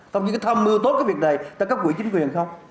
trong những cái tham mưu tốt cái việc này tại các quỹ chính quyền không